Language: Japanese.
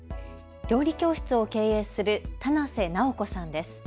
料理教室を経営する棚瀬尚子さんです。